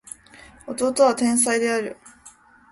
弟は天才である